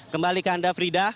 kembali ke anda frida